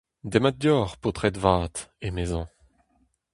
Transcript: Demat deoc'h, paotred vat, emezañ.